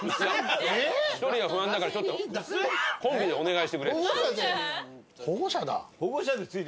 １人は不安だからちょっとコンビでお願いしてくれ。